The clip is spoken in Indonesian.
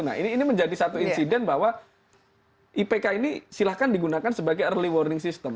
nah ini menjadi satu insiden bahwa ipk ini silahkan digunakan sebagai early warning system